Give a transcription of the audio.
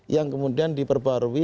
yang kemudian diperbarui